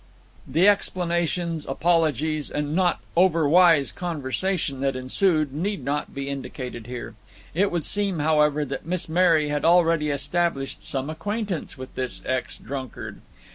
The explanations, apologies, and not overwise conversation that ensued need not be indicated here. It would seem, however, that Miss Mary had already established some acquaintance with this ex drunkard.